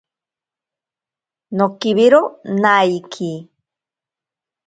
Nokiwiro naiki.